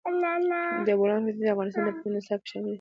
د بولان پټي د افغانستان د پوهنې نصاب کې شامل دي.